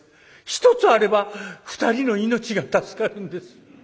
一つあれば２人の命が助かるんです。